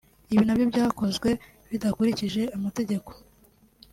Ibi nabyo byakozwe bidakurikije amategeko